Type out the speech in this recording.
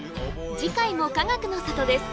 次回もかがくの里です